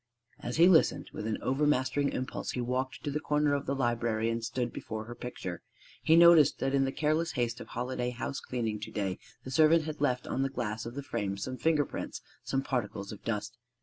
As he listened, with an overmastering impulse he walked to the corner of the library and stood before her picture. He noticed that in the careless haste of holiday house cleaning to day the servant had left on the glass of the frame some finger prints, some particles of dust.